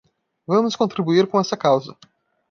Vamos contribuir com essa causa.